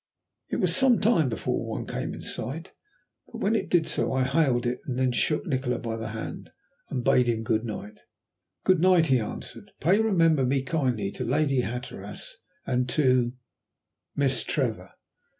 It was some time before one came in sight, but when it did so I hailed it, and then shook Nikola by the hand and bade him good night. "Good night," he answered. "Pray remember me kindly to Lady Hatteras and to Miss Trevor."